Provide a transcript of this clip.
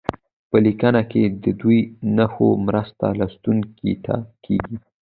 په لیکنه کې د دې نښو مرسته لوستونکي ته کیږي.